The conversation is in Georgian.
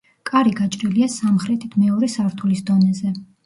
კარი გაჭრილია სამხრეთით მეორე სართულის დონეზე.